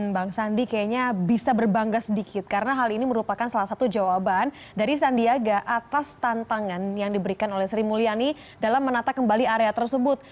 bang sandi kayaknya bisa berbangga sedikit karena hal ini merupakan salah satu jawaban dari sandiaga atas tantangan yang diberikan oleh sri mulyani dalam menata kembali area tersebut